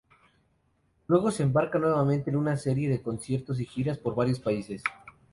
Luego se embarcan nuevamente en una serie de conciertos y giras por varios países.